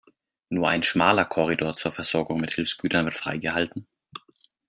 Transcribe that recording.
Nur ein schmaler Korridor zur Versorgung mit Hilfsgütern wird freigehalten.